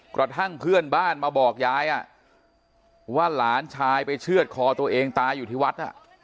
กระทั่งเพื่อนบ้านมาบอกยายว่าหลานชายไปเชื่อดคอตัวเองตายอยู่ที่วัด